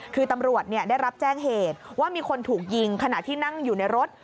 คือตำรวจได้รับแจ้งเหตุว่ามีคนถูกยิงขณะที่นั่งอยู่ในรถ